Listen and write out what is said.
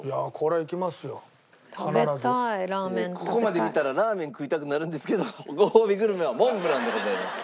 ここまで見たらラーメン食いたくなるんですけどごほうびグルメはモンブランでございます。